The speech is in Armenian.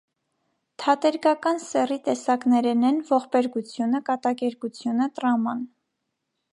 Գ. Թատերգական սեռի տեսակներէն են՝ ողբերգութիւնը, կատակերգութիւնը, տռաման։